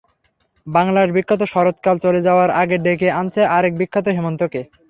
বাংলার বিখ্যাত শরৎকাল চলে যাওয়ার আগে ডেকে আনছে আরেক বিখ্যাত হেমন্তকে।